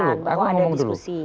bahwa ada diskusi